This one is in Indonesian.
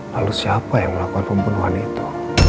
lalu siapa yang melakukan pembunuhan itu